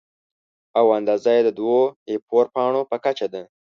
او اندازه یې د دوو اې فور پاڼو په کچه ده.